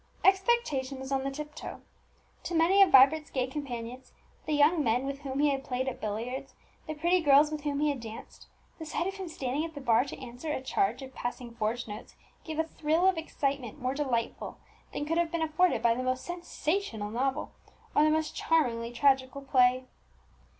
Expectation was on the tiptoe. To many of Vibert's gay companions the young men with whom he had played at billiards, the pretty girls with whom he had danced the sight of him standing at the bar to answer a charge of passing forged notes, gave a thrill of excitement more delightful than could have been afforded by the most sensational novel, or the most charmingly tragical play.